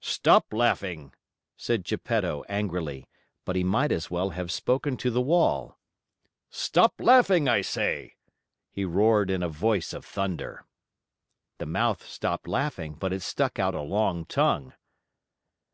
"Stop laughing!" said Geppetto angrily; but he might as well have spoken to the wall. "Stop laughing, I say!" he roared in a voice of thunder. The mouth stopped laughing, but it stuck out a long tongue.